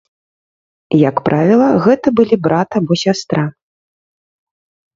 Як правіла, гэта былі брат або сястра.